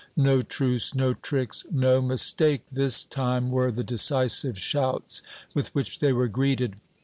"No truce no tricks no mistake this time!" were the decisive shouts with which they were greeted.